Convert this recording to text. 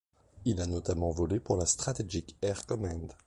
Il a notamment volé pour la Strategic Air Command.